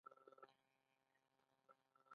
ایا زه ترش خواړه خوړلی شم؟